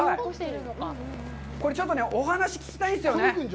ちょっとお話を聞きたいんですよね。